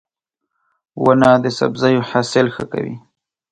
• ونه د سبزیو حاصل ښه کوي.